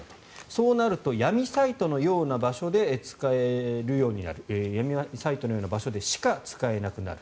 そうなると闇サイトのような場所でしか使えるようになる闇サイトのような場所でしか使えなくなる。